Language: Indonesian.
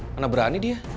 mana berani dia